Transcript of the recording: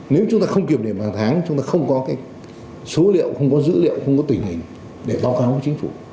nếu chúng ta không kiểm điểm hàng tháng chúng ta không có số liệu không có dữ liệu không có tình hình để báo cáo với chính phủ